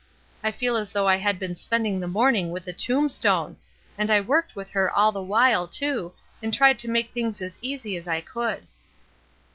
I feel as though I had been spending the morning with a tombstone! and I worked with her all the while, too, and tried to make things as easy as I could."